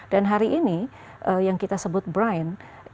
dan hari ini yang kita sebut brine